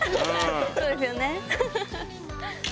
そうですよね。